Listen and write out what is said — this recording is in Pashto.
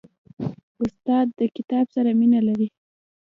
استاد د کتاب سره مینه لري.